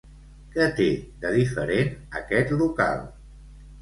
Què té, de diferent, aquest local?